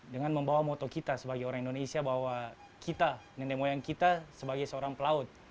dengan membawa moto kita sebagai orang indonesia bahwa kita nenek moyang kita sebagai seorang pelaut